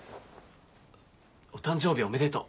お誕生日おめでとう。